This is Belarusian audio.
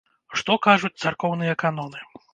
Што кажуць царкоўныя каноны?